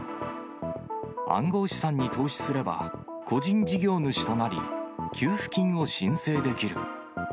暗号資産に投資すれば、個人事業主となり、給付金を申請できる。